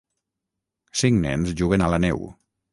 Cinc nens juguen a la neu.